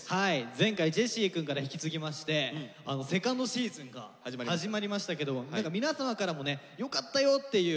前回ジェシーくんから引き継ぎましてセカンドシーズンが始まりましたけども何か皆様からもね「よかったよ」っていう声をいただいていて。